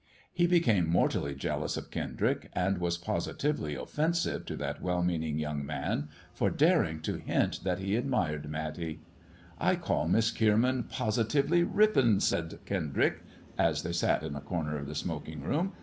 He became mortally jealous of Kendrick, and was positively offensive to that well meaning young man for daring to hint that he admired Matty. " I call Miss Kierman positively rippin'," said Kendrick, as they sat in a comer of the smoking room.